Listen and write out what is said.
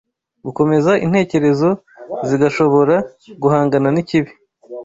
Bukomeza intekerezo zigashobora guhangana n’ikibi